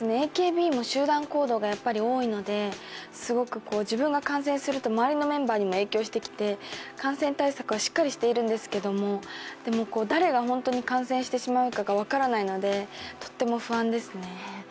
ＡＫＢも集団行動が多いのですごく自分が感染すると周りのメンバーにも影響してきて感染対策はしっかりしているんですけれどもでも誰が本当に感染してしまうかが分からないのでとっても不安ですね。